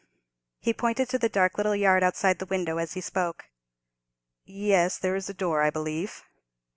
He pointed to the dark little yard outside the window as he spoke. "Yes, there is a door, I believe."